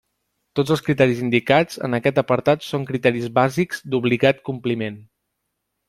Tots els criteris indicats en aquest apartat són criteris bàsics d'obligat compliment.